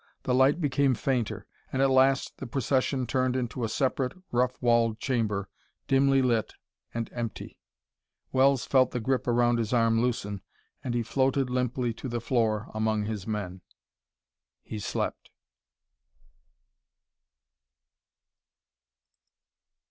The light became fainter; and at last the procession turned into a separate, rough walled chamber, dimly lit and empty. Wells felt the grip around his arm loosen, and he floated limply to the floor among his men. He slept....